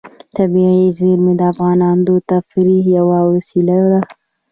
طبیعي زیرمې د افغانانو د تفریح یوه وسیله ده.